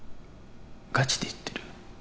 ガチで言ってる？